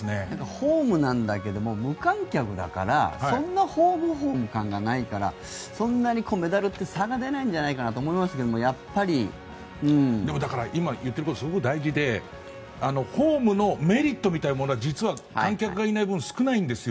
ホームなんだけど無観客だけどそんなホーム感がないからそんなにメダルって差が出ないんじゃないかと思いますがだから今言っていることってすごく大事でホームのメリットみたいなものは実は観客がいない分少ないんですよ。